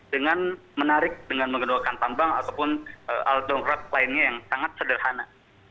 dengan menarik dengan mengendalikan tambang ataupun alat dongkrat lainnya yang sangat sederhana